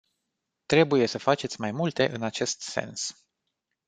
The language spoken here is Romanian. Trebuie să faceți mai multe în acest sens.